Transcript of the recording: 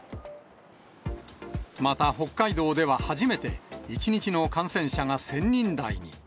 また北海道では初めて、１日の感染者が１０００人台に。